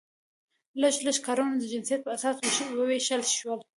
لږ لږ کارونه د جنسیت په اساس وویشل شول.